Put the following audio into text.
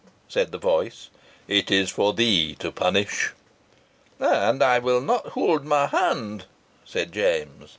said the voice. "It is for thee to punish." "And I will not hold my hand," said James.